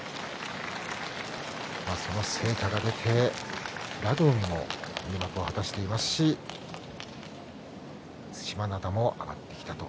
その成果が出て平戸海も入幕を果たしていますし對馬洋も上がってきたと。